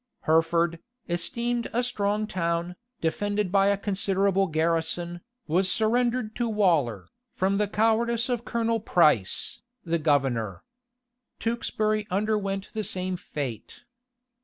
Hereford, esteemed a strong town, defended by a considerable garrison, was surrendered to Waller, from the cowardice of Colonel Price, the governor. Tewkesbury underwent the same fate.